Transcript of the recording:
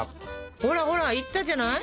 ほらほらいったじゃない！